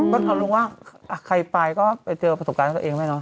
ก็เอาลุงว่าใครไปก็ไปเจอประสบการณ์ของตัวเองด้วยเนาะ